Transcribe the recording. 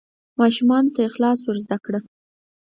ماشومانو ته اخلاق ور زده کړه.